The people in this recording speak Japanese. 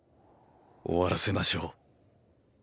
終わらせましょう。